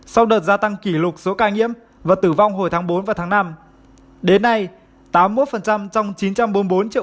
sau đợt gia tăng kỷ lục số ca nhiễm và tử vong hồi tháng bốn và tháng năm đến nay tám mươi một trong chín trăm bốn mươi bốn triệu